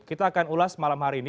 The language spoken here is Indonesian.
kita akan ulas malam hari ini